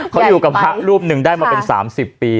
เขาอยู่กับพระรูปหนึ่งได้มาเป็น๓๐ปี